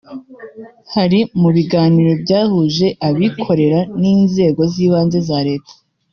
Hari mu biganiro byahuje abikorera n’inzego z’ibanze za Leta